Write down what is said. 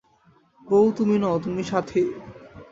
বৌ তুমি নও, তুমি সাথি।